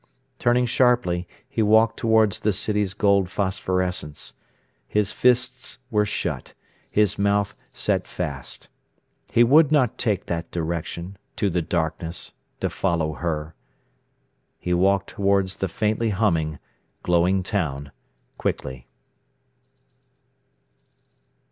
Turning sharply, he walked towards the city's gold phosphorescence. His fists were shut, his mouth set fast. He would not take that direction, to the darkness, to follow her. He walked towards the faintly humming, glowing town, quickly.